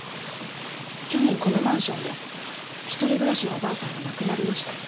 去年このマンションで一人暮らしのおばあさんが亡くなりました。